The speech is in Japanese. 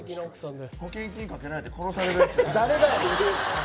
保険金かけられて殺されるやつ。